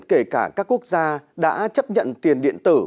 kể cả các quốc gia đã chấp nhận tiền điện tử